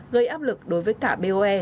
gây áp lực đối với cả boe